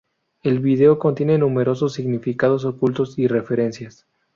El vídeo contiene numerosos significados ocultos y referencias.